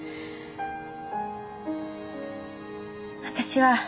私は。